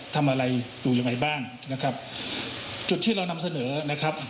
ทำอะไรอยู่ยังไงบ้างนะครับจุดที่เรานำเสนอนะครับ